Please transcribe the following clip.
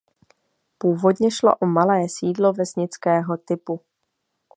Původně šlo o malé sídlo vesnického typu.